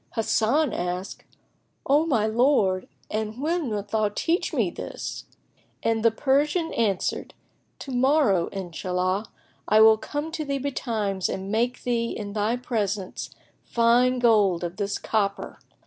Hasan asked, "O my lord and when wilt thou teach me this?"; and the Persian answered, "To morrow, Inshallah, I will come to thee betimes and make thee in thy presence fine gold of this copper."